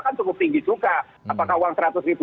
kan cukup tinggi juga apakah uang seratus ribu